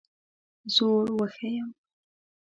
زور وښیم.